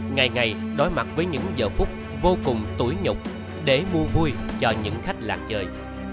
ngày ngày đối mặt với những giờ phút vô cùng tuổi nhục để mua vui cho những khách làng chơi